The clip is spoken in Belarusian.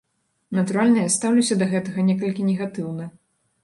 Натуральна, я стаўлюся да гэтага некалькі негатыўна.